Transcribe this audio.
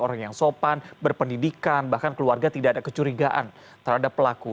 orang yang sopan berpendidikan bahkan keluarga tidak ada kecurigaan terhadap pelaku